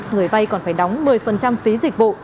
người vay còn phải đóng một mươi phí dịch vụ